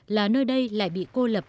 là nơi đây lại bị cô lập